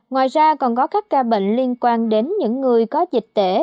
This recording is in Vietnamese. ngoài ra còn có các ca bệnh liên quan đến những người có dịch tễ